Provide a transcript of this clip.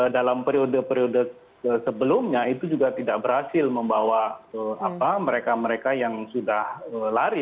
dalam periode periode sebelumnya itu juga tidak berhasil membawa mereka mereka yang sudah lari